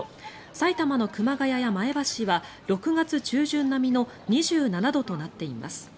埼玉の熊谷や前橋は６月中旬並みの２７度となっています。